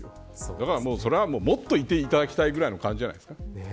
だからそれは、もっといていただきたいぐらいの感じじゃないですか。